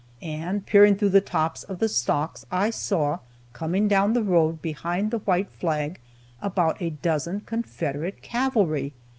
And peering through the tops of the stalks I saw coming down the road behind the white flag about a dozen Confederate cavalry!